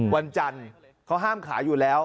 วันจันทร์เขาห้ามขายอยู่แล้ว